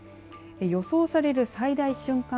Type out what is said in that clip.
予想される最大瞬間